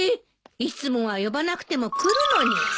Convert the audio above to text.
いつもは呼ばなくても来るのに。